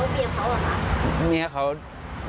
แล้วเมียเค้าก็อ่ะ